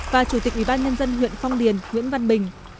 và chủ tịch ủy ban nhân dân huyện phong điền nguyễn văn bình